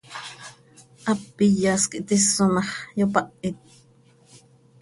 Hap iyas quih tis oo ma x, yopahit.